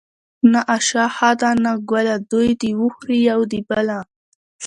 ـ نه آشه ښه ده نه ګله دوي د وخوري يو د بله.